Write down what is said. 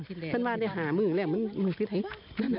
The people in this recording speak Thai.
เพื่อนกาลก็หามึงหลายมึงที่ไหน